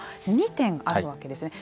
２点あるわけですね。